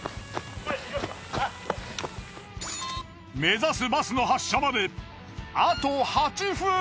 目指すバスの発車まであと８分。